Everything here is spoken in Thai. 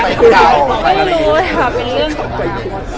ไปดาวไปอะไรอย่างงี้